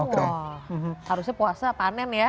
wow harusnya puasa panen ya